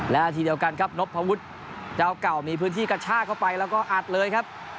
และทีเดียวกันครับนพวุฒิเจ้าเก่ามีพื้นที่กระชากเข้าไปแล้วก็อัดเลยครับ